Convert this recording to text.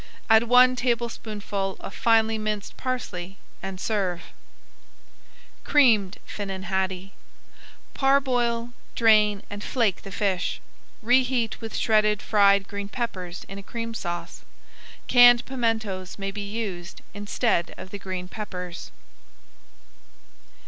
Add one tablespoonful of finely minced parsley and serve. [Page 135] CREAMED FINNAN HADDIE Parboil, drain, and flake the fish. Reheat with shredded fried green peppers in a Cream Sauce. Canned pimentos may be used instead of the green peppers.